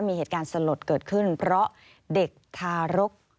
มีเหตุการณ์สลดเกิดขึ้นเพราะเด็กทารก